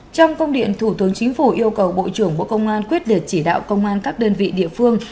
trong công điện thủ tướng chính phủ yêu cầu bộ trưởng bộ công an quyết liệt chỉ đạo công an các đơn vị địa phương